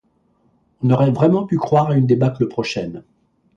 On aurait vraiment pu croire à une débâcle prochaine.